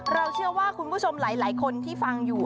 เราเชื่อว่าคุณผู้ชมหลายคนที่ฟังอยู่